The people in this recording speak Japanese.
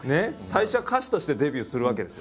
最初は歌手としてデビューするわけですよね？